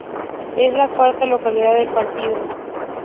Es la cuarta localidad del partido.